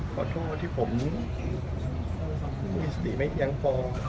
ขอโทษที่ผมยังไม่สติยังพอ